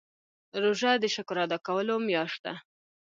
روژه د شکر ادا کولو میاشت ده.